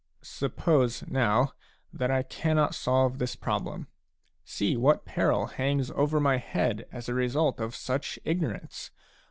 Suppose now that I cannot solve this problem ; see what peril hangs over my head as a result of such ignorance